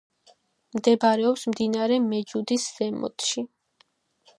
მდებარეობს მდინარე მეჯუდის ზემოთში.